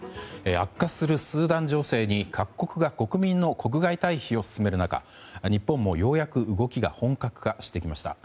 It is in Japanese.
悪化するスーダン情勢に各国が国民の国外退避を進める中日本もようやく動きが本格化してきました。